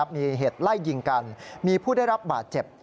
มีเหตุไล่ยิงกันมีผู้ได้รับบาดเจ็บ